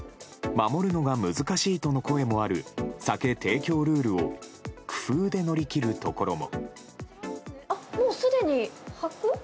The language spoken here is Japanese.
守るのが難しいとの声もある酒提供ルールを工夫で乗り切るところも。